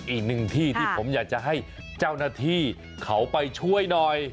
อีกหนึ่งที่ที่ผมอยากจะให้เจ้าหน้าที่เขาไปช่วยหน่อย